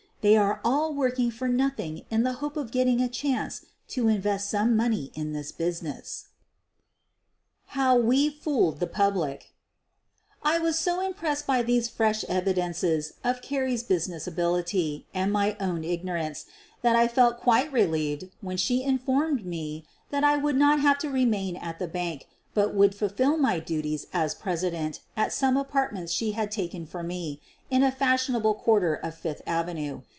They are all working for nothing in the hope of getting a chance to in rest some money in the business." HOW WE FOOLED THE PUBLJO I was so impressed by these fresh evidences of Carrie 's business ability and my own ignorance that I felt quite relieved when she informed me that I would not have to remain at the bank, but would fulfill my duties as president at some apartments 96 SOPHIE LYONS she had taken for me in a fashionable quarter or 4 Fifth avenue.